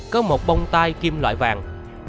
có một bông tai kim loại vàng